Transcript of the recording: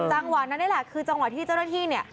จังหวัดนั้นนี่แหละคือจังหวัดที่เจ้าหน้าที่